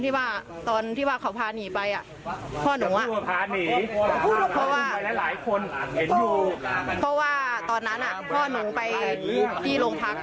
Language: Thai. ที่ว่าตอนที่ว่าเขาพาหนีไปเพราะว่าตอนนั้นพ่อหนูไปที่โรงพัก